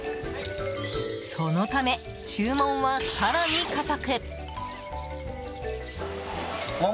そのため、注文は更に加速。